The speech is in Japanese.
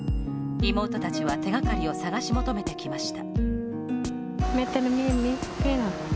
妹たちは手がかりを探し求めてきました。